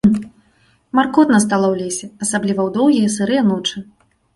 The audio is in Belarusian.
Маркотна стала ў лесе, асабліва ў доўгія сырыя ночы.